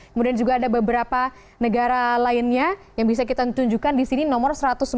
kemudian juga ada beberapa negara lainnya yang bisa kita tunjukkan di sini nomor satu ratus sembilan puluh